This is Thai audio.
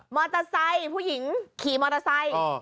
มอเตอร์ไซค์ผู้หญิงขี่มอเตอร์ไซค์